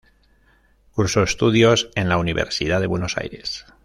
Cursó estudios en la Universidad de Buenos Aires.